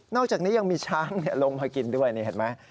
อกจากนี้ยังมีช้างลงมากินด้วยนี่เห็นไหม